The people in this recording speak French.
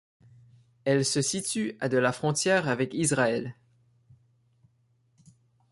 Elle se situe à de la frontière avec Israël.